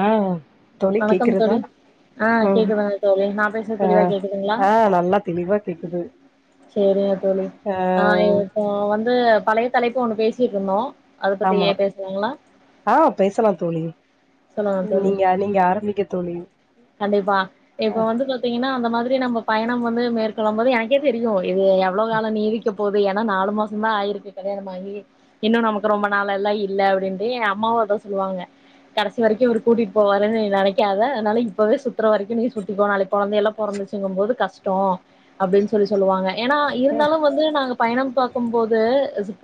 ஆ தோழி வணக்கம் தோழி கேக்குறதா ஆ உம் கேக்குதுங்க தோழி நா பேசுறது ஆ தெளிவா கேக்குதுங்களா ஆ நல்லா தெளிவா கேக்குது சேரிங்கப் தோழி ஆ ஏ இப்போ வந்து பழையத் தலைப்பு ஒண்ணு பேசியிட்ருந்தோ ஆமாங்க ஆ பேசலா தோழி ம் சொல்லுங்க தோழி ணநீங்க நீங்க ஆரம்பிங்க தோழி கண்டிப்பா ஆ இப்ப வந்து பாத்தீங்கன்னா அந்த மாதிரி நம்ம பயணம் வந்து மேற்கொள்ளம் போது எனக்கே தெரியு இது எவ்ளோவு கால நீதிக்கப் போது ஏனா நாலு மாசம் தா ஆயிருக்கு கல்யாணமாகி இன்னு நமக்கு ரொம்ப நாளல்லா இல்ல அப்டின்ட்டு எ அம்மாவு அதா சொல்லுவாங்க கடைசி வரைக்கு இவுரு கூட்டிட் போவாருன் நீ நனைக்காத அதுனால இப் இப்பவே சுற்றுற வரைக்கு நீ சுத்திக்கோ நாளைக் கொழந்தைய எல்லா பொறந்துச்சிங்கும்போது கஷ்டோ அப்டின் சொல்லி சொல்லுவாங்க ஏனா இருந்தாலு வந்து நாங்க பயணம் பாக் இருக்கும் போது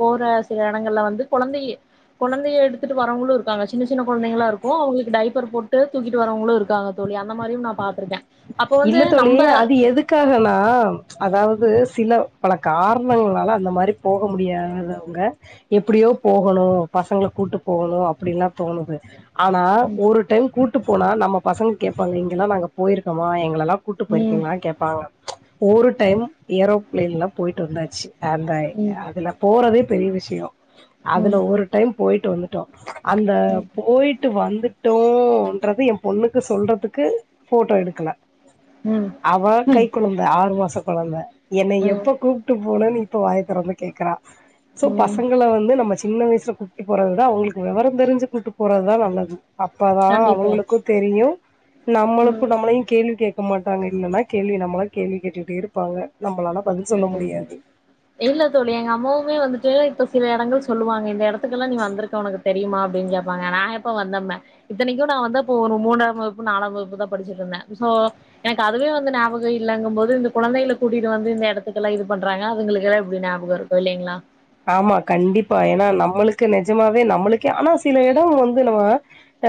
போற சில எடங்கள்ல வந்து கொழந்தியே கொழந்தியே எடுத்துட்டு வரவங்களு இருக்காங்க சின்ன சின்ன கொழந்தைங்கல்லா இருக்கு அவுங்களுக்கு டைப்பர் போட் ட்டு தூக்கிட் வரவுங்களு இருக்காங் தோழி அந்த மாரியு நா பாத்துருக்கே இல்ல தோழி அது எதுக்காகனா அதாவுது சில பல காரணங்களால அந்த மாரி போக முடியாதவங்க எப்படியோ போகணு பசங்கள கூட்டு போகணு அப்டில்லா தோணுது அனா ஒரு டைம் கூட் ட்டு போனா நம்ம பசங் கேப்பாங்க இங்கெல்லா நாங்க போயிருக் க்கமா எங்கலெல்லா கூட்டு ம் போயிருக்கீங்களா கேப்பாங்க ஒரு டைம் ஏரோப் பிள்ளைகள் எல்லா போயிட்டு வந்தச்சு ஆந்தாய் ம் அதுல போறதே பெரி விஷயோ அதுல ம் ஒரு டைம் போயிட் ட்டு வந்துட்டோ அந்த ம் போயிட்டு வந் ட்டோன்றது என் பொண்ணுக்கு சொல்றதுக்கு ஃபோட்டோ எடு க்கல ம் அவ ம் கைக்குழந்த ஆறு மாசம் கொழந்த என்ன ம் எப்ப கூப்ட்டு போனன்னு இப்ப வாய திறந்து கேக்கறா சோ ம் பசங்களை வந்து நம்ம சி சின்ன வயசுல குட்டி போறததா அவுங்களுக்கு விவரம் தெரிஞ்சு குட்டி போறதுதா நல்லது அப்பதா கண்டிப்பா அவுங்களுக்கு தெரியும் நம்மளுக்கு ம் நம்மளையும் கேள்வி கேக்க மாட்டாங்க இல்லன்னா கேள்வி நம்மளா கேள்வி கேட்டுட்ட இருப்பாங்க நம்மளால பதில் சொல்ல முடியாது இல்ல தோழி எங்க அம்மாவுமே வந்துட்டு இப்ப சில இடங்கள் சொல்லுவாங்க எ டத்துல்லாம் நீ வந்திருக்க உனக்கு தெரியுமா அ அப்டின் கேப்பாங்க நா எப்ப வந்தம்ப இத்தனைக்கும் நா வந்தப்ப ஒரு மூணாம் வகுப்பு நாலாம் வகுப்பு தா படிச்சட்டு இருந்தே சோ எனக்கு அதுவே வந்து ஞாபகம் இல்லங்கும்போது இந்த கொழந்தைகளை கூட்டிட்டு வந்து இந்த எத் இடத்துக்கல்லா இது பண்றாங்க அதுங்களுக்குக்கெல்ல எப்டி ஞாபக இருக்கும் இல்லைங்களா ஆம்மா கண்டிப்பா ஏனா நம்பளுக்கு நெஜமாவே நம்பளுக்கே ஆனா சில எடம் வந்து நம்ம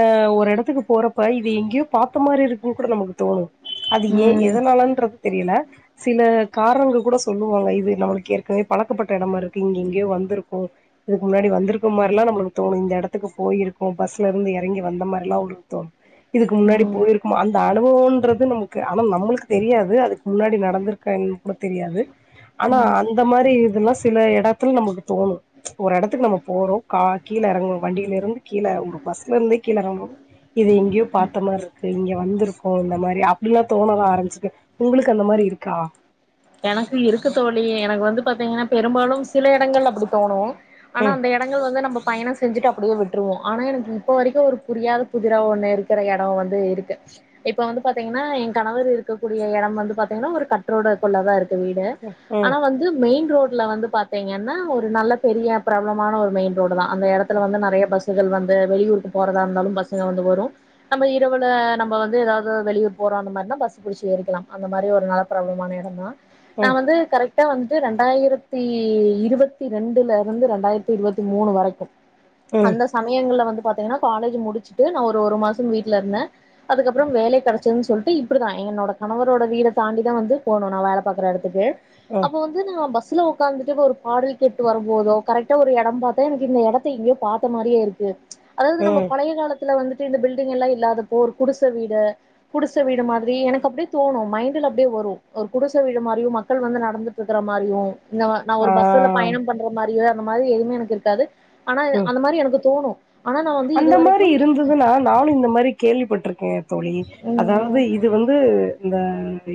அ ஆ ஒரு எடத்துக்கு போறப்ப இது எங்கேயோ பாத்த மாரி இருக்குன்னு கூட நமக்கு தோணும் அது ஏ ம் எதனாலன்றது தெரியல சில காரணங்கள் கூட சொல்லுவாங்க இது நம்மளுக்கு ஏற்கனவே பழக்கப்பட்ட எடமா இருக் இங்க எங்கேயோ வந்திருக்கும் இதுக்கு முன்னாடி வந்திருக்கும் மாரில்லா நம்மளுக்கு தோணும் இந்த எடத்துக்கு போயிருக்கும் பஸ்ல இருந்து இறங்கி வந்த மாரில்லாம் உள்க்கு தோணும் இதுக்கு முன்னாடி ம் போயிருக்கும் அந்த அனுபவம்ன்றது ந்து நமக்கு ஆனா நம்மளுக்கு தெரியாது அதுக்கு முன்னாடி நடந்துருக்க ன். கூட தெரியாது ஆனா ம் அந்த மாரி இதுல்லா ஸ் சில எத் த்துல நமக்கு தோணும் ஒரு எடத்துக்கு நம்ம போறோ கா கீழ இறங்ரோம் வண்டியலருந்து கீழே ஒரு பஸ்ல இருந்தே கீழே இறங்ரோம் இது எங்கேயோ பாத்த மாரி இருக்கு இங்க வந்திருக்கும் இந்த மாரி அப்பில்ல தோணலாம் ஆரம்பிச்சு ம் எனக்கு இருக்கு தோழி எனக்கு வந்து பாத்தீங்கன்னா பெரும்பாலும் சில எடங்கள்லா அப்டி தோணும் ஆனா ம் அந்த எடங்கள் வந்து நம்ப பயண செஞ்சுட்டு அப்டியே விட்டுருவோம் ஆனா எனக்கு இப்ப வரைக்கும் ஒரு புரியாத புதிர ஒண்ணு இருக்கற எடம் வந்து இருக்கு இப்ப வந்து பாத்தீங்கன்னா என் கணவர் இருக்கக்கூடிய எடம் வந்து பாத்தீங்கன்னா ஒரு கற்றோட கொள்ளதா இருக் வீடு ம் ஆனா வந்து மெயின் கு ரோட்ல வந்து பாத்தீங்கன்னா ஒரு நல்ல பெரிய பிரபலமான ஒரு மெயின் ரோடு தா அந்த எடத்துல வந்து நறைய பஸ் கள் வந்து வெளியூருக்கு போறதாந்தாலும் பஸ்ங்க வந்து வரும் நம்ப இரவுல நம்ப வந்து ஏதாவது வெளியூர் போறோ அந்த மாரினா பஸ் பிடிச்சு ஏறிக்கலாம் அந்த மாரி ஒரு நல்ல பிரபலமான எடந்தா நா ம் வந்து கரெக் ட்டா வந்து ரெண்டாயிரத்தி இருபத்தி ரெண்டுல இருந்து ரெண்டாயிரத்தி இருபத்தி மூணு வரைக்கு ம் அந்த சமயங்களல வந்து பாத்தீங்கன்னா காலேஜ் முடிச்சிட்டு நா ஒரு ஒரு மாசம் வீட்டல இருந்தே அதுக்கப்புறம் வேலை கிடைச்சது சொல்லிட்டு இப்படிதா என்னோட கணவர் ரோட வீட தாண்டிதா வந்து போணு நா வேல பாக்கற இடத்துக்கு ம் அப்போ வந்து நா பஸ் சில உட்காந்துட்டு ஒரு பாடல் கேட்டு வருபோதோ கரெக்டாக ஒரு இடம் பாத்தா எனக்கு இந்த இடத்த இங்யோ பாத்த மாரியே இருக்கு அதாது நம்ம ம் பழைய காலத் த்துல வந்துட்டு இந்த பில்டிங்ல்லா இல்லாதப்ப ஒரு குடிசவீடு குடிசவீடு மாதிரி எனக்கு அப்பிடி தோணு மைண்டல அப்படியே வரு ஒரு குடிசவீடு மாரியு மக்கள் வந்து நடந்துட்டு இருக்கற மாரியு நா நா ஆ ஒரு பஸ்ல பயணம் பண்ற மாரி ஏ அ மாரி எதுவுமே எனக்கு இருக்காது ஆனா ம் அந்த மாரி எனக்கு தோணு ஆனா நா வந்து அந்த இது மாரி வரைக்கும் இருந்துன்னா நானு இந்த மாரி கேள்விப்பட்ருக்கே தோழி ம் அதாவது இது வந்து இந்த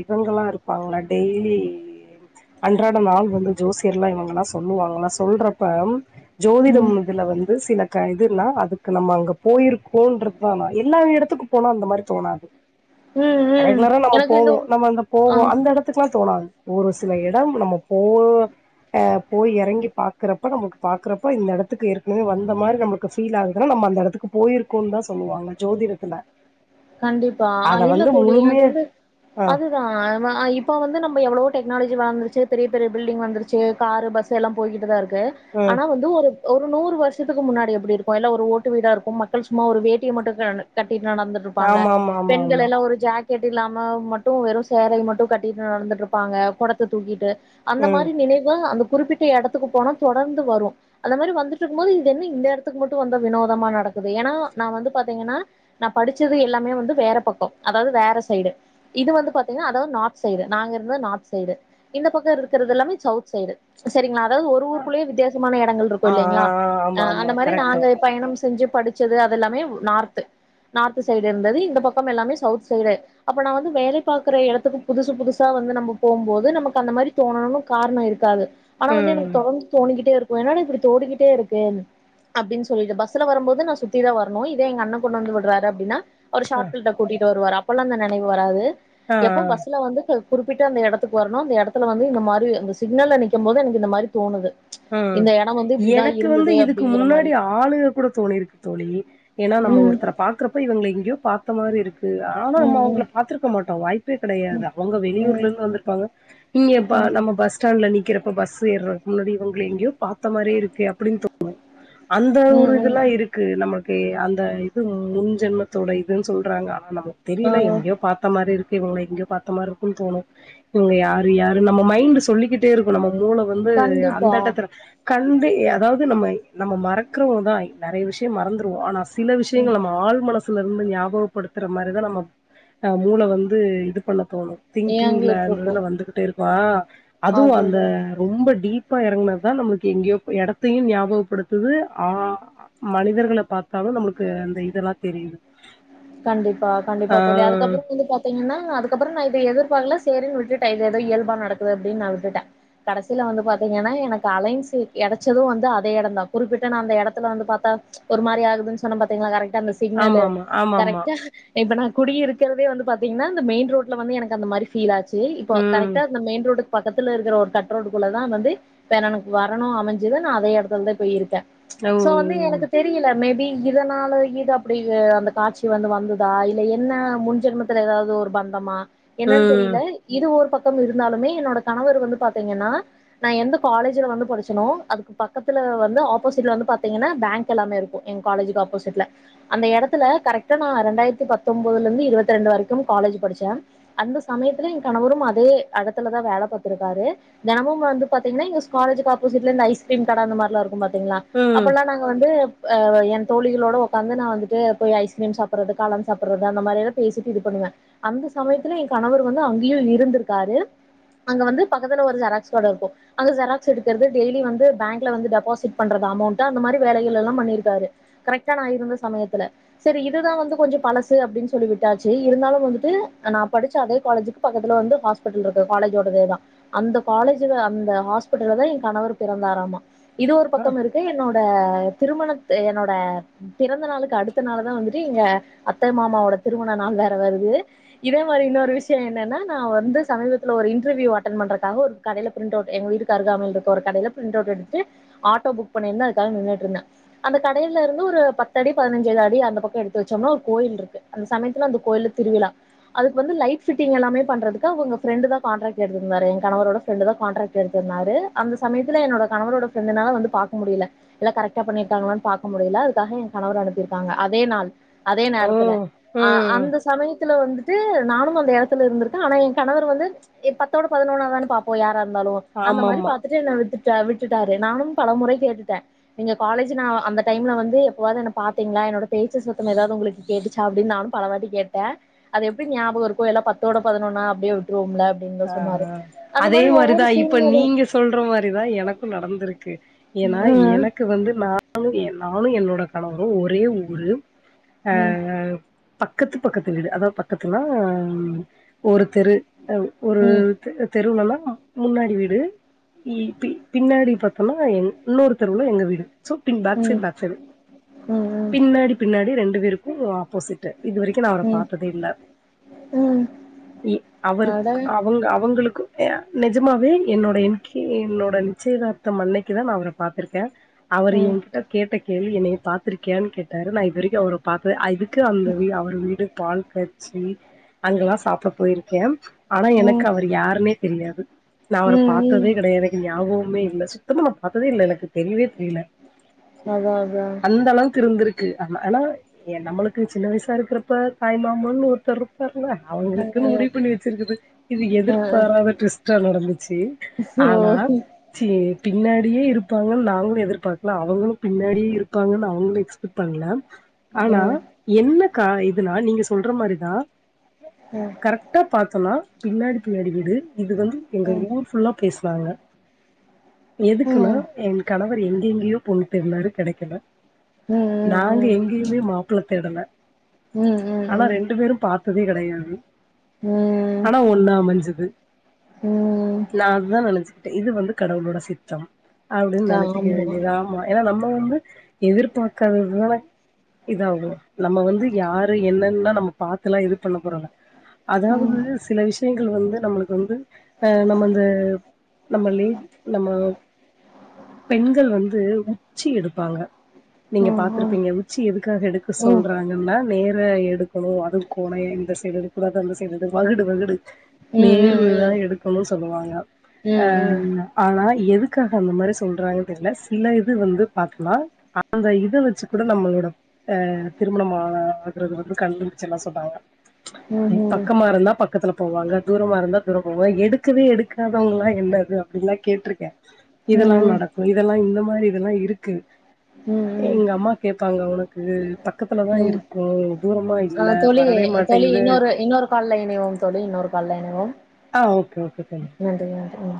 இவங்ளா இருப்பாங்கள டெய்லி அன்றாடம் ஆள் வந்து ஜோசியர் எல்லா இவங்கல்லா சொல்லுவாங்கள சொல்றப்ப ம் ம் ஜோதிடம் இதுல வந்து சில க இதுல்லா அது க நம்ம அங்க போயிருக்கோன்றதுதா எல்லா இடத்துக்கு போனா அந்த மாரி தோணாது ம் ம் ரெகுலரா நம்ம எனக்கு இந்த போவோ நம்ம அங்க ஆ போவோ அந்த இடத்துக்குல்லா தோணாது ஒரு சில இடம் நம்ம போ அ போய் இறங்கி பாக்குறப்ப நமக்கு பாக்குறப்ப இந்த இடத்துக்கு ஏற்கனவே வந்த மாரி நம்மளுக்கு ஃபீல் ஆகு துனா நம்ம அந்த இடத்துக்கு போயிருக்கோன்னு தா சொல்லுவாங்க ஜோதிடத்துல கண்டிப்ப அ அத இல்ல வந்து தோழிஅது முழுமையா வந்து ஆ அதுதா வ ஆ இப்ப வந்து நம்ம எவ்வளோ டெக் க்னாலஜி வந்துருச்சு பெரிய பெரிய பில்டிங் வந்துருச்சு காரு பஸ் எல்லா போயிகிட்டுத இருக் க்கு ம் ஆனா வந்து ஒரு ஒரு நூறு வருஷத்துக்கு முன்னாடி எப்புடி இருக்கு எல்லா ஒரு ஓட்டு வீடா இருக்கும் மக்கள் சும்மா ஒரு வேட்டிய மட்டு கட்டிட்டு நடந்துட் ப்பாங்க ஆமா ஆமா ஆமா பெண்கள் ஆமா எல்லா ஒரு ஜாக் கேட்டு இல்லாம மட்டு வெறு சேரவி மட்டு கட்டிட்டு நடந்துட்டு இருபாங்க குடத்த தூக்கிட்டு அந்த ம் மாரி நினைவு அந் குறிப்பிட்ட இடத்துக்கு போனா தொடர்ந்து வரு அந்த மாரி வந்துட்டு இருக்கு போது இது என்ன இந்த எட்டதுக்கு மட்டு வந்தா வினோதமா நடக்குது ஏன்னா நா வந்து பாத்தீங்கன்னா நா படிச் ச்சது எல்லாமே வந்து வேற பக்கம் அதாவது வேற சைடு இது வந்து பாத்தீங்களா அதாவது நார்த் சைடு நாங்க இருந்தது நார்த் சைடு இந்த பக்கம் இருக்கிறது எல்லாமே சவுத் சைடு சரிங்களா அதாவது ஒரு ஊருக்குள்ளேயே வித்தியாசமான இடங்கள் இருக்கு ஆ ஆ இல்லலைங்களா ஆமா ஆ ஆமா அந்த மாரி கரெக்ட்டு நாங்க பயணம் செ செஞ்ச படிச்சது அது எல்லாமே நார்த் நார்த்து சைடு இருந்தது இந்த பக்க எல்லாமே சவுத் சைடு அப்போ நா வந்து வேலை பார்க்குற இடத்துக்கு புதுசு புதுசா வந்து நம்ம போம்போது நமக்கு அந்த மாரி தோணும்னு காரண இருக்காது ஆனா வந்து எனக்கு ம் தொடர்ந்து தோணிகிட்டே இருக் என்னடா இப்டி தோடிகிட்டே இருக்கு அப்டினு சொலிட்டு பஸ்ல வருபோது நா சுத்தி தா வரணு இதே எங்க அண்ண கொண்டு வந்து விட்ரார் அப்டினா ஒரு ஆ ஷாக்பில்ட கூட்டிட்டு வருவாரப் கொழந்த நெனைவு வராது ஆ எப்போ ஆ பஸ்ல வந்து போய் குறிப்பிட்ட அந்த எடத்துக்கு வரணு அந்த எடத்துல வந்து இந்த மாரி அந்த சிக்னல நிக்கு போது எனக்கு இந்த மாரி தோணுது உ இந்த இடம் வந்து இப்படிதான் எனக்கு வந்து இருந்தது இதுக்கு அப்படிங்கிற மாதிரி முன்னாடி ஆளுக கூட தோனிருக்கு தோழி ஏனா நம்ம ம் ஒருத்தர பாக்குற அப்போ இவங்கள எங்யோ பாத்த மாரி இரு இல்ல ஆனா நம்ம ம் அவங்கள ம் பாத்துருக்க மாட்டோ வாய்ப்பே கடையாது அவங்க வெளியூர்ல ம் இருந்து வந்துருப்பாங்க இங்க ப ம் நம்ம பஸ் ஸ்டாண்டுல நிக் நிக்கிறப்போ பஸ் ஏர்ரக்குள்ளோடி உங்கல எங்கயோ பாத் பாத்த மாரி இருக்கு அப்டினு தோணு அந்த ஒரு ம் ம் இதெல்லா இருக்கு நமக் கே அந்த இது முன் ஜென்மத்தோட இதுன்னு சொல்றாங்க ஆ நமக்கு ஆ தெரியல எங்கேயோ பாத்த மாரி இருக் இவங்கள எங்யோ பாத்த மார்ருக்கு தோனு இவங்க யாரு யாரு நம்ம மைண்ட் சொல்லிக்கிட்டே இருக்கு நம்ம முல வந்து அந் கண்டிப்பா கட்டத்துல கண்டு அதாவது நம்ம நம்ம மறக்கறவங்க தா நிறைய விஷயோ மறந்துருவோ ஆனா ஸ சில ம் விஷயங்கள் நம்ம ஆள் மன சிலது ஞாபகப்படுத்துற மாரிதா நம்ம மூள வந்து இது பண்ண தோணு திங்கிங்ல ஏங்கிட்டு அதுல இருக்கும் வந்துகிட்டே இரு வா அதுவு அது அந்த ரொம்ப டீப் ப்ப எருனாக்க நம்மளுக்கு எங்கயோ எடத்தயு ஞாபகப்படுத்துது ஆ மனிதர்கள பாத்தாலு நமக்கு அந்த இதலா தெரியுது கண்டிப்பா ஆ கண்டிப்பா தோழி அதுக்கப்பறோ வந்து பாத்தீங்கன்னா அதுக்கப்றோ நா இத எதிர் பாக்கல சேரினு விட்டுட்டே இது ஏதோ இயல்பா நடக்குது அப்டினு நா விட்டுட்டே கடேசில வந்து பாத்தீங்கனா எனக்கு அலைன்சு கெடச்சது அதே எடந்தா குறிப்பிட்ட நா அந்த எடத்துல நா வந்து பாத்தா ஒரு மாரி ஆகுதுனு சொன்னே பாத்தீங்களா கரெக் டா அந்த சிக்னலு ஆமாமா ஆமாமா கரெக்டா இப்ப நா குடியிருக்றதே வந்து பாத்தீங்கன்னா இந்த மெயின் ரோட்ல வந்து எனக்கு அந்த மாரி ஃபீல் ஆச்சு சி இப்போ ம் கரெக்டா இந்த மெயின் ரோடுக்கு பக்கத்துல இருக்கிற ஒரு கட்ரோடுக்குள்ள தா வந்து இப்போ எனனக்கு வரணு அமைஞ்சுது நா அதே எடத்துலதா இப்போ இருக்கே ஓ சோ வந்து எனக்கு தெரியல மேபி இதனால இது அப்டி அந்த காட்சி கி வந்து வந்ததா இல்ல என்ன முன்ஜென்மத்துல எதாவ்து ஒரு பந்தமா ம் என்னன் தெரியில இது ஒரு பக் கம் இருந்தாலுமே என்னோட கணவர் வந்து பாத்தீங்கன்னா நா எந்த காலஜுல வந்து படிச்சனோ அதுக்கு பக்கத்துல வந்து ஆப்போசிட்ல வந்து பாத்திங்கன்னா பேங்க் எல்லாமே இருக்கு எங் காலேஜுக்கு ஆப்போசிட்ல அந்த எடத்துல கரெக் ட்டா நா ரெண்டாயரத்தி பத்தொம்பதுலந்து இருவத்தி ரெண்டு வரைக்கும் காலேஜு படிச்சே அந்த சமயத்துல எ கணவரும் அதே எடத்துலதா வேல பாத்துருக்காரு தெனமும் வந்து பாத்தீங்னா எங்க காலேஜுக்கு ஆப்போசிட்ல இந்த ஐஸ்கிரீம் கட அந்த மார்லா இருக்கு பாத் திங்ளா ம் அப்பல்லா நாங்க வந்து ஆ என் தோழிகளோட ஒக்காந்து நா வந்துட்டு போய் ஐஸ் கிரீம் சாப்புறது காளான் சாப்புர்றது அந்த மாரி எல்லா பேசிட்டு இது பண்ணுவே அந்த சமயத்துல எ கணவர் வந்து அங்கயு இருந்துருக்காரு அங்க வந்து பக்கத்துல ஒரு ஜெராக்ஸ் கட இருக்கு அங்க ஜெராக்ஸ் எடுக்கற்து டெய்லி வந்து பேங்க்ல வந்து டெபாசிட் பண்றது அமௌண்ட்ட அந்த மாரி வேலைகள் எல்லா பண்ணிருக்காரு கரெக்டா நா இருந்த சமயத்துல செரி இதுதா வந்து கொஞ்ச பழசு அப்டின் சொல்லி விட்டாச்சு இருந்தாலு வந்துட்டு நா படிச்ச அதே காலேஜுக்கு பக்கத்துல வந்து ஹாஸ்பிட்டல் இருக்கு காலேஜோடதேதா அந்த காலேஜுல அந்த ஹாஸ்பிட்டல்லதா எ கணவர் பிறந்தாராமா இது ஒரு அ பக்கம் இருக்கு என்னோட திருமணத் என்னோட பிறந்த நாளுக்கு அடு த்த நாளுதா வந்துட்டு எங்க அத்த மாமாவோட திருமண நாள் வேற வருது இதே மாரி இன்னோரு விஷ்ய என்னன்னா நா வந்து சமீபத்துல ஒரு இண்ட்ரவ்யூ அட்டன் பண்றக்காக ஒரு கடைல ப்ரிண்ட் அவுட் எங்க வீட்டுக் அருகாமையில் இருக்க ஒரு கடைல ப்ரிண்ட் அவுட் எடுத்து ஆட்டோ புக் பண்ணிருந்தே அதுக்காக நின்னுட்ருந்தே அந்த கடைலெருந்து ஒரு பத்தடி பதினஞ்சு அ இது அந்த பக்க எடுத்து வச்சொம்னா ஒரு கோயில்ருக்கு அந்த சமயத்துல அந்த கோயில்ல திருவிழா அதுக்கு வந்து லைட் ஃபிட்டிங் எல்லாமே பண்றதுக்கு அவுங்க ஃப்ரெண்டுதா கான்ட்ராக்ட் எடுத்துருந்தாரு எ கணவரோட ஃப்ரெண்டுதா கான்ட்ராக்ட் எடுத்துருந்தாரு அந்த சமயத்துல என்னோட கணவரோட ஃப்ரெண்டுனால வந்து பாக்க முடியல எல்லா கரெக்ட்டா பண்ணிருக்காங்களான் பாக்க முடியல அதுக்காக எ கணவர அனுப்பிரு க்காங்க அதே நாள் அதே ஓ நேரத்துல அ ம் அந்த சமயத்துல வந்துட்டு நானும் அந்த எடத்துல இருந்திருக்கெ ஆனா எ கணவர் வந்து எ‌ பத்தோட பதினொன்னா தான பாப்போ யாராரு ந்தாலு அந்த மாரி ஆமாமா பாத்துட்டு என்ன விட்டு ட்ட விட்டுட்டாரு நானும் பல முறை கேட்டுட்டே நீங்க காலேஜு நா அந்த டைம்ல வந்து எப்பவாது என்ன பா திங்ளா என்னோட பேச்சு சத்தம் எதாவ்து உங்களுக்கு கேட்டுச்சா அப்டின் நானும் பல வாட்டி கேட்டே அத எப்டி ஞாபக இருக்கு எல்லா பத்தோட பதினொன்னா அப்டியே விட்ருவோம்ல அ ஆ ஆ அதே மாரிதா இப்ப சூழ்நில நீங்க சொல்ற மாரிதா எனக்கு நடந்துருக்கு ஏன்னா ம் எனக்கு வந்து நானு என் நானு என்னோட கணவரு ஒரே ஊரு ஆ ம் பக்கத்து பக்கத்து வீடு அதா எபக்கத்துனா ஒரு தெரு ஒரு ம் தெ தெருவுலனா முன்னாடி வீடு பி பி பின்னாடி பாத்தொன்னா இன்னொரு தெருவுல எங்க வீடு சோ பின் பேக்ஸைட் ம் பேக்ஸைடு ம் பின்னாடி பின்னாடி ரெண் டு பேருக்கு ஆப்போசிட் டு இது வரைக்கு நா அவர ம் ம் பாத்ததே இல்ல ம் இ அவரு அட கவங்க அவுங்களுக் கு நெஜமாவே என்னோட இன்கி எங்ளோட நிச்சயதார்த்தம் அன்னக்கி தா அவர பாத்துருக்கே அவர் ம் எங்கிட்ட கேட்ட கேள்வி என்னைய பாத்துருக்கியானு கேட்டாரு நா இது வரைக்கு அவர பாக்கல அ இது க்கு அந்த வீ அவரு வீடு பால் காச்சி அங்கல்லா சாப்புட போயிருக்கே ஆனா எனக்கு ம் அவர் யாருனே தெரியாது நா அவர ம் ம் பாத்ததே கெடயாது எனக்கு ஞாபகொ ம்மே இல்ல சுத்தமா நா பாத்ததே இல்ல எனக்கு தெரியவே தெரில அதா அதா அந்தளவுக்கு இருந்திருக் க்கு ஆனா எ நம்மளுக்கு சின்ன வயசா இருக்கிறப்ப தாய் மாமனு ஒருத்தர் இருப்பார் ம்ம அ அவங்களுக்குனு முடிவு பண்ணி வச்சிருக்குது இது அ அ எதிர்பாராத டூவிஸ்டா நடந்துச்சி சோ ஆனா சீ ஏ பின்னாடியே இருப்பாங்கன்னு நாங்களு எதிர்பாக்கல அவங்களு பின்னாடியே இருப்பாங்கன்னு அவங்களு எக்ஸ்பெக்ட் பண்ல ம் ஆனா ம் என்ன க்கா இதுனா நீங்க சொல்ற மாரிதா கரெக்டா பாத்தனா பின்னாடி பின்னாடி வீடு இது வந்து எங்க ம் ம் ஊர் ஃபுல்லா பேஸ் லாங்க ம் எதுக்குன்னா என் கணவ எங்க எங்கேயோ பொண் தேடுநாரு கேடக்கல நாங்க எங்கேயுமே மாப்ள தேடல ம் ம் ம் இப்பவே கெடையாது ம் ம் ஆனா ஒண்ண அமஞ்சது ம் நா அதா நெனச்சே இது வந்து கடவுளோட சித்தம் அப்புடின்னு நனச்சிக்க ஆமா வேண்டியதா ஆ ஏன்னா நம் நம் வந்து எதிர்பாக்காததுதா இதாகு நம்ம வந்து யாரு என்னன்னா நம்ம பாத்தலா இது பண்ண போறல அதாவது சில விஷயங்கள் வந்து நம்முழுக்கு வந்து ஆ நம்மந்து நம்மலே நம்ம பெண்கள் வந்து உச்சி எடுப்பாங்க நீங்க பாத்துருப்பீங்க உச்சி எதுக்காக எடுக்க ம் சொல்றாங்கன்னா நேர எடு க்கனு அது கோனய இந்த சைடு எடுகூடாது அந்த சைடு எடு வகுடு வகுடு ம் ம் ம் ம் நேர்வு தா எடுக்கணுனு சொல்லுவாங்க அ ஆனா எதுக்கு க்காக அந்த மாரி சொல்றாங்கன்னு தெரியல சில இது வந்து பாத்துகலா அந்த இத வச்சு கூட நம்மளோடஹ திருமண ஆ ஆறது வந்து கண்டுபிச்சல்லா சொல்றாங்க ம் பக்கம்மா இருந்தா பக்க பக்கத்துல போவாங்க தூரமா இருந்தா தூர போவாங்க எடுக்கவே எடுக்காதவங்கல்லா என்னது அப்பிடில்லா கேட்டிருக்கே ம் இதெல்லா ம் நடக்கு இதெல்லா இந்த மாரி இதெல்லா இருக்கு ம் எங்க அம்மா கேப்பாங்க உனக்கு பக்கத்துலதா ம் இருக்கோ ஆ தோளி தோளி இன்னொரு இன்னொரு கால்ல இனைவோ தொலி இன்னொரு கால்ல இணைவோ ஆ ஓகே ஓகே தோழி ம்